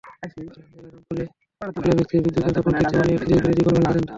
বাগেরহাট জেলার রামপালে কয়লাভিত্তিক বিদ্যুৎকেন্দ্র স্থাপন ঠিক তেমনি একটি দেশবিরোধী-গণবিরোধী সিদ্ধান্ত।